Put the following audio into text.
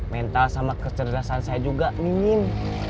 mental sama kecerdasan saya juga minim